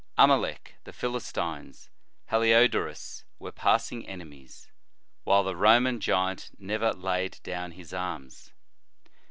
Amalec, the Philistines, Heliodorus, were passing enemies, while the Roman giant never laid down his arms.